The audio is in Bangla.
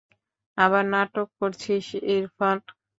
আবার নাটক করছিস, ইরফান।